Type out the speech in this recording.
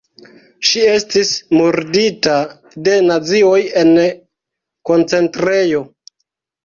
Ŝi estis murdita de nazioj en koncentrejo.